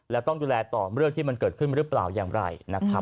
แล้วต้องดูแลต่อเรื่องที่มันเกิดขึ้นหรือเปล่าอย่างไรนะครับ